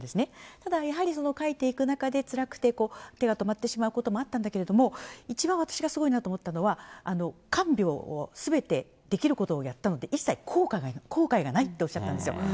ただやはり、書いていく中で、つらくて、手が止まってしまうこともあったんだけども、一番私がすごいなと思ったのは、看病をすべて、できることをやったので、一切、後悔がないっておっしゃったんですよ。